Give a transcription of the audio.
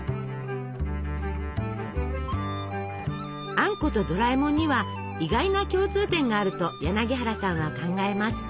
あんことドラえもんには意外な共通点があると柳原さんは考えます。